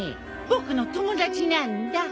僕の友達なんだ。